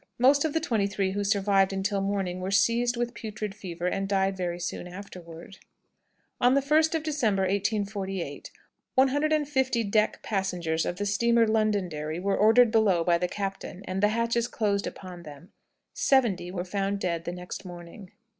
Most of the twenty three who survived until morning were seized with putrid fever and died very soon afterward. On the 1st of December, 1848, 150 deck passengers of the steamer Londonderry were ordered below by the captain and the hatches closed upon them: seventy were found dead the next morning.